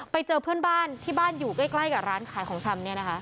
ไปเจอเพื่อนบ้านที่บ้านอยู่ใกล้กับร้านขายของชำ